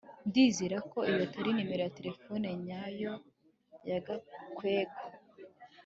ndizera ko iyo atari numero ya terefone nyayo ya gakwego